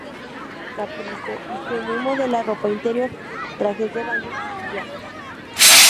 Caprice diseña y modela ropa interior, trajes de baño y pijamas.